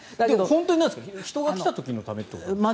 本当に人が来た時のためということですか。